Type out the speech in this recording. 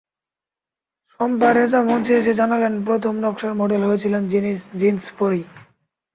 শম্পা রেজা মঞ্চে এসে জানালেন, প্রথম নকশার মডেল হয়েছিলেন জিনস পরেই।